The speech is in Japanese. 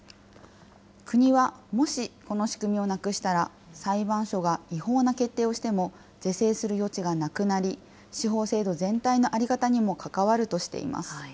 国はもしこの仕組みをなくしたら、裁判所が違法な決定をしても是正する余地がなくなり、司法制度全体の在り方にも関わるとしています。